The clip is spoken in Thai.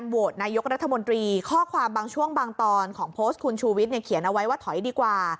โหวตนายกรัฐมนตรีข้อความบางช่วงบางตอนของโพสต์คุณชูวิทย์เขียนเอาไว้ว่าถอยดีกว่า